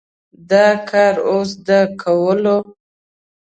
دا کار اوس د کولو و؟